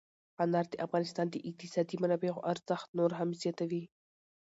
انار د افغانستان د اقتصادي منابعو ارزښت نور هم زیاتوي.